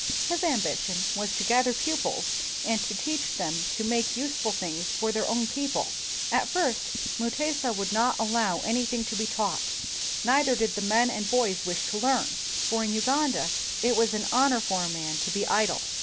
His ambition was to gather pupils and to teach them to make useful things for their own people. At first Mutesa would not allow any one to be taught, neither did the men and boys wish to learn, for in Uganda it was an honor for a man to be idle.